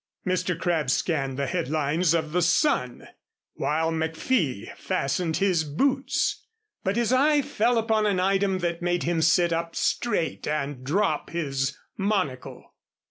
Mr. Crabb scanned the headlines of the Sun, while McFee fastened his boots. But his eye fell upon an item that made him sit up straight and drop his monocle.